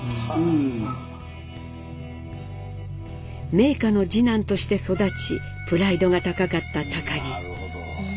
名家の次男として育ちプライドが高かった儀。